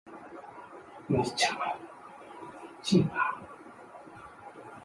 我超，京爷